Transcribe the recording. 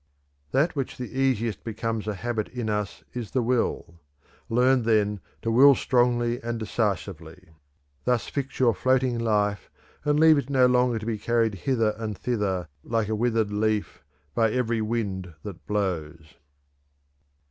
_ "That which the easiest becomes a habit in us is the will. Learn, then, to will strongly and decisively; thus fix your floating life, and leave it no longer to be carried hither and thither, like a withered leaf, by every wind that blows."